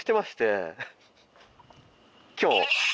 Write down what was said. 今日。